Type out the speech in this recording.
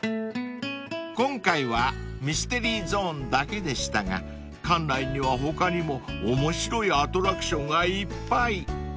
［今回はミステリーゾーンだけでしたが館内には他にも面白いアトラクションがいっぱい］